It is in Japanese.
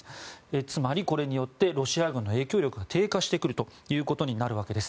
つまり、これによってロシア軍の影響力が低下してくることになります。